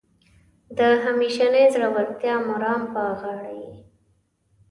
د همیشنۍ زړورتیا مرام په غاړه یې.